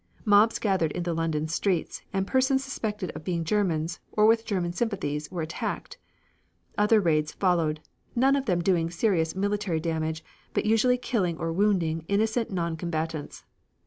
Mobs gathered in the London streets, and persons suspected of being Germans, or with German sympathies, were attacked. Other raids followed, none of them doing serious military damage, but usually killing or wounding innocent non combatants.